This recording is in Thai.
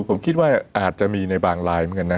ผมคิดว่าอาจจะมีในบางลายเหมือนกันนะ